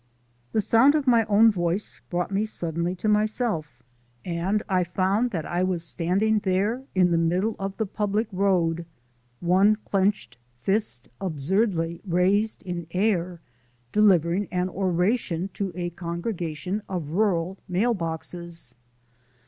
The sound of my own voice brought me suddenly to myself, and I found that I was standing there in the middle of the public road, one clenched fist absurdly raised in air, delivering an oration to a congregation of rural mail boxes!